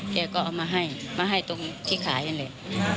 แกก็เอามาให้มาให้ตรงที่ขายนั่นแหละ